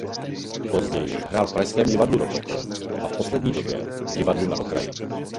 Později hrál v pražském Divadlu Rokoko a v poslední době v Divadlu na okraji.